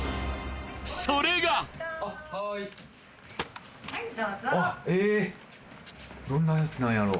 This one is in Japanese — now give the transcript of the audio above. それがどんなやつなんやろ？